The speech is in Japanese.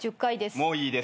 もういいです。